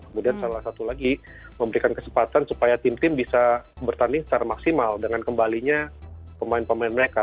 kemudian salah satu lagi memberikan kesempatan supaya tim tim bisa bertanding secara maksimal dengan kembalinya pemain pemain mereka